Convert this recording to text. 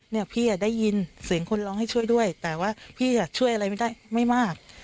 เนี่ยพี่ได้ยินเสียงคนร้องให้ช่วยด้วยแต่ว่าพี่ช่วยอะไรไม่ได้ไม่มาก